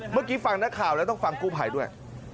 เมื่อกี้ฟังนักข่าวแล้วต้องฟังกู้ภัยด้วย